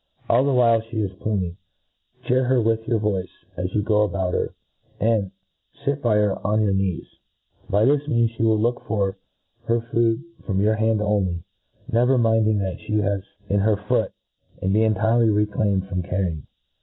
All the while fee is pluming, chear her with your voice as you go about her, and fit by her on your knees. By this means fhc will look for her food from your own hand on ly, never minding what fhe h?is in her foot, and be entirely reclaimed from carrying.